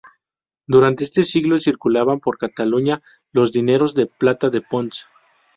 Durante este siglo circulaban por Cataluña los dineros de plata de Ponts.